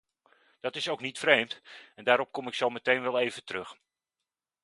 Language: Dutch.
Dat is ook niet vreemd en daarop kom ik zo meteen wel even terug.